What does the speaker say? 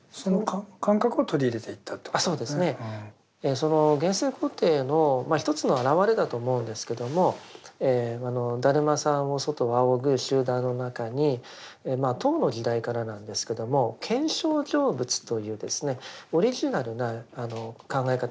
その現世肯定のまあ一つの表れだと思うんですけども達磨さんを祖と仰ぐ集団の中にまあ唐の時代からなんですけども「見性成仏」というオリジナルな考え方が出てきます。